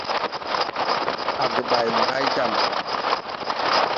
Age ɓay mo hay jam.